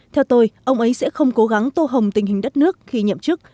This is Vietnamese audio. theo tôi ông ấy sẽ không cố gắng tô hồng tình hình đất nước khi nhậm chức